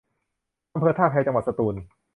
อำเภอท่าแพ จังหวัดสตูล